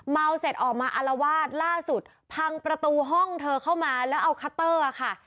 เสร็จออกมาอารวาสล่าสุดพังประตูห้องเธอเข้ามาแล้วเอาคัตเตอร์ค่ะ